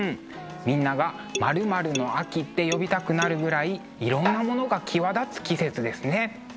みんなが○○の秋って呼びたくなるぐらいいろんなものが際立つ季節ですね。